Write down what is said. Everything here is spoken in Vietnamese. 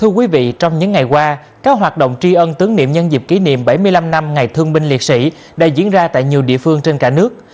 thưa quý vị trong những ngày qua các hoạt động tri ân tướng niệm nhân dịp kỷ niệm bảy mươi năm năm ngày thương binh liệt sĩ đã diễn ra tại nhiều địa phương trên cả nước